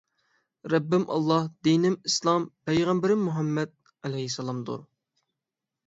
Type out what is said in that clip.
رەببىم ئاللاھ دىنىم ئىسلام پەيغەمبىرىم مۇھەممەد ئەلەيھىسسالام دۇر